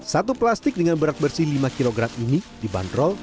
satu plastik dengan berat bersih lima kilogram ini dibantrol rp sembilan puluh lima